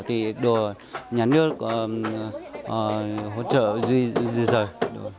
thì đồ nhà nước hỗ trợ di rời